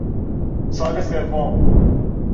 سال سوم